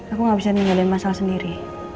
aku gak bisa ninggalin masalah sendiri